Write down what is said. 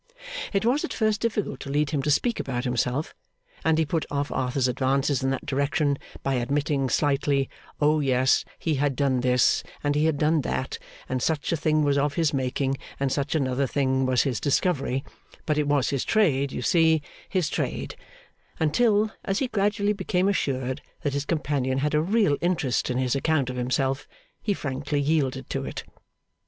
It was at first difficult to lead him to speak about himself, and he put off Arthur's advances in that direction by admitting slightly, oh yes, he had done this, and he had done that, and such a thing was of his making, and such another thing was his discovery, but it was his trade, you see, his trade; until, as he gradually became assured that his companion had a real interest in his account of himself, he frankly yielded to it.